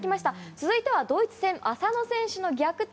続いてはドイツ戦浅野選手の逆転